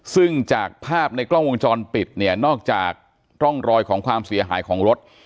ซึ่งจากภาพในกล้องวงจรปิดเนี่ยนอกจากร่องรอยของความเสียหายของรถ